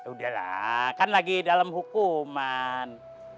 udah lah kan lagi dalam hukuman